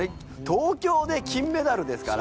東京で金メダルですから。